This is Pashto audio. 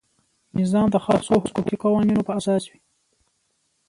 نظام د خاصو حقوقي قوانینو په اساس وي.